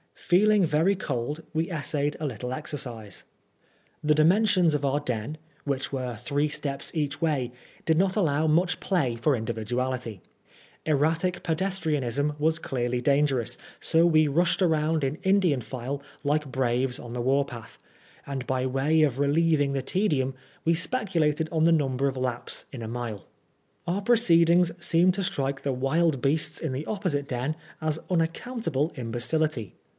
Feeling very cold, we essayed a little exercise. The dimensions of our den, which were three steps each way, did not allow much play for individuality. Erratic pedestrianism was clearly dangerous, so we rushed round in Indian file, like braves on the war path ; and, by way of relieving the tedium, we specu lated on the number of laps in a mile. Our proceedings seemed to strike the wild beasts in the opposite den as unaccountable imbecility.